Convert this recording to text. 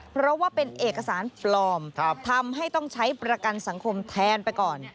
เพราะว่าเป็นเอกสารปลอมทำให้ต้องใช้ประกันสังคมแทนไปก่อน